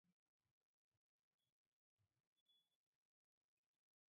Покым Таловка гыч орва дене вашкеракак колташ лийыч: иктаж шагат - шагатат пеле гыч.